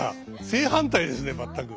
正反対ですね全く。